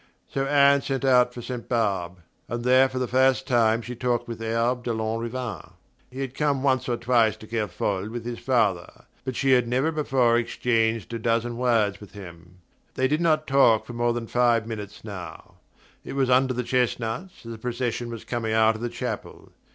So Anne set out for Ste. Barbe, and there for the first time she talked with Herve de Lanrivain. He had come once or twice to Kerfol with his father, but she had never before exchanged a dozen words with him. They did not talk for more than five minutes now: it was under the chestnuts, as the procession was coming out of the chapel.